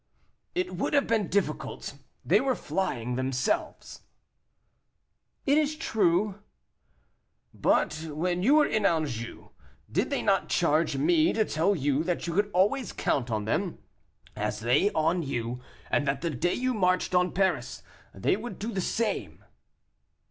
"It would have been difficult; they were flying themselves." "It is true." "But when you were in Anjou, did they not charge me to tell you that you could always count on them, as they on you, and that the day you marched on Paris, they would do the same?"